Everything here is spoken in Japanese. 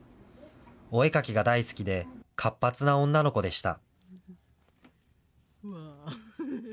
お絵描きが大好きで活発な女の子でした。